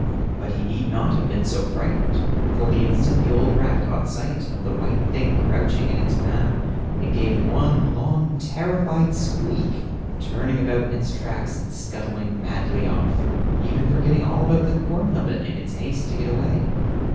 But he need not have been so very frightened, for the instant that old rat caught sight of the white thing crouching in its path it gave one long, terrified squeak, turning about in its tracks and scuttling madly off, even forgetting all about the corn nubbin in its haste to get away.